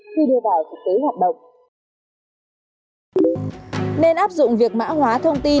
khi đưa vào thực tế